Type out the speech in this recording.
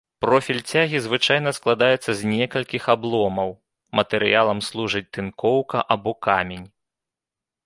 Профіль цягі звычайна складаецца з некалькіх абломаў, матэрыялам служыць тынкоўка або камень.